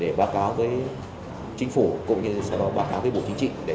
để báo cáo với chính phủ cũng như sau báo cáo với bộ chính trị